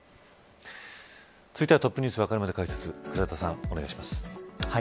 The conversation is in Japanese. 続いてはＴｏｐｎｅｗｓわかるまで解説倉田さん、お願いします。